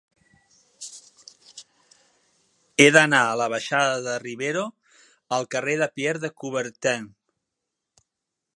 He d'anar de la baixada de Rivero al carrer de Pierre de Coubertin.